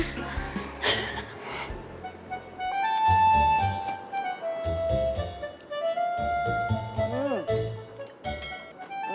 ujah wassah lenger minta mas